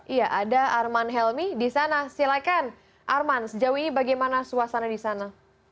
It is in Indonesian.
iya ada arman helmi di sana silakan arman sejauh ini bagaimana suasana di sana